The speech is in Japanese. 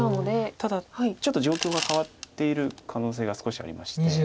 ただちょっと状況がかわっている可能性が少しありまして。